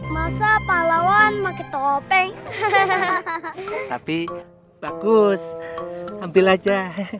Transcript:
masa pahlawan pakai topeng tapi bagus ambil aja